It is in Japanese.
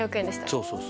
そうそうそう。